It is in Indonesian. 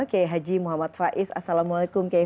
k h m f assalamualaikum k f